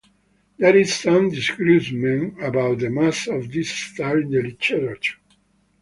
There is some disagreement about the mass of this star in the literature.